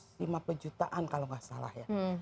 sama pejutaan kalau tidak salah ya